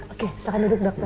oke silahkan duduk dokter